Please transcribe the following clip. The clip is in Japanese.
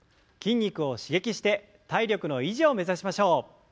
筋肉を刺激して体力の維持を目指しましょう。